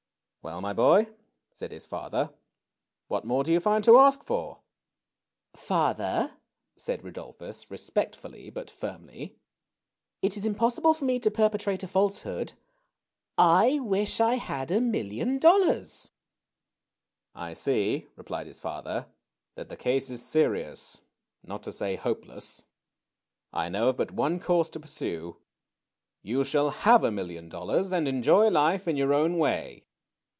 Well, my boy," said his father, ^^what more do you find to ask for ?" Father," said Rudolphus, respectfully but firmly, it is impossible for me to perpetrate a falsehood. I wish I had a million dollars !" 232 THE CHILDREN'S WONDER BOOK. I see/' replied his father^ that the case is serious — not to say hopeless ! I know of but one course to pursue. You shall have a million dollars^ and enjoy life in your own way.